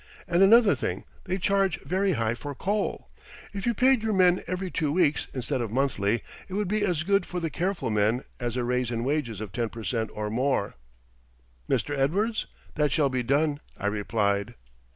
And another thing, they charge very high for coal. If you paid your men every two weeks, instead of monthly, it would be as good for the careful men as a raise in wages of ten per cent or more." "Mr. Edwards, that shall be done," I replied.